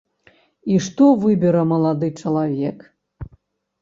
І што выбера малады чалавек?